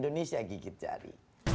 jadi saya bisa gigit jari